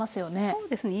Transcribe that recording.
そうですね。